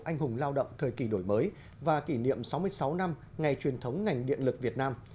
anh hùng lao động thời kỳ đổi mới và kỷ niệm sáu mươi sáu năm ngày truyền thống ngành điện lực việt nam